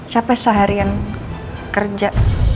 sampai seharian kerja